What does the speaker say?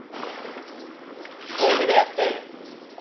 講義部屋ってここ？